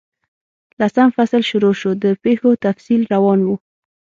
لسم فصل شروع شو، د پیښو تفصیل روان وو.